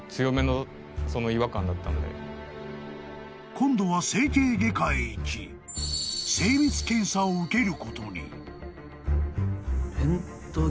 ［今度は整形外科へ行き精密検査を受けることに］